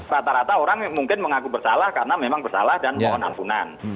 rata rata orang mungkin mengaku bersalah karena memang bersalah dan mohon ampunan